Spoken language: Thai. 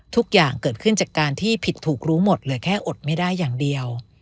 ทุกอย่างเกิดขึ้นจากการที่ผิดถูกรู้หมดเหลือแค่อดไม่ได้อย่างเดียว